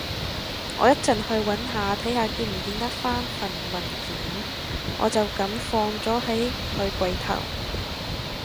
我一陣去搵下，睇下見唔見得返份文件，我就噉放咗喺佢枱頭